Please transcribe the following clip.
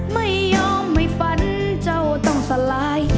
ไม่ยอมไม่ฝันเจ้าต้องสลาย